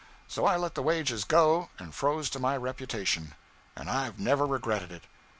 So I let the wages go, and froze to my reputation. And I've never regretted it.